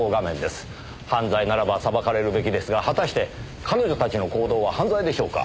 犯罪ならば裁かれるべきですが果たして彼女たちの行動は犯罪でしょうか？